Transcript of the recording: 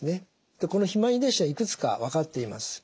でこの肥満遺伝子はいくつか分かっています。